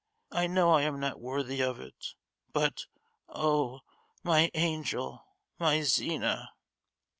I know I am not worthy of it, but—oh, my angel, my Zina!"